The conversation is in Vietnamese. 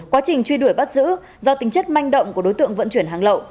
quá trình truy đuổi bắt giữ do tính chất manh động của đối tượng vận chuyển hàng lậu